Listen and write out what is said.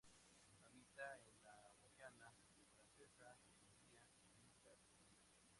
Habita en la Guayana francesa, Colombia y Brasil.